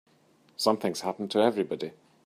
Something's happened to everybody.